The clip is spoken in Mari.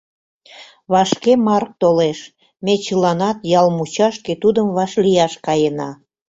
Вашке Марк толеш, ме чыланат ял мучашке тудым вашлияш каена.